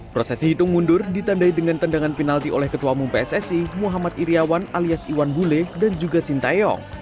prosesi hitung mundur ditandai dengan tendangan penalti oleh ketua umum pssi muhammad iryawan alias iwan bule dan juga sintayong